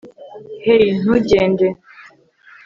hey, ntugende